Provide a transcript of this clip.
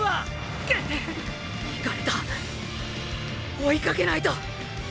追いかけないと！！